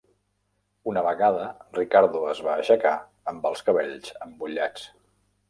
Una vegada Ricardo es va aixecar amb els cabells embullats.